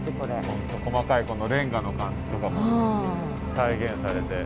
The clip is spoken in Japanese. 本当細かいこのレンガの感じとかも再現されて。